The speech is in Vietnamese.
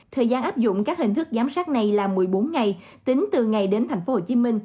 thời gian áp dụng các hình thức giám sát này là một mươi bốn ngày tính từ ngày đến tp hcm